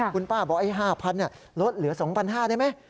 คุณป้าบอกไอ้ห้าพันเนี่ยรถเหลือสองพันห้าได้ไหม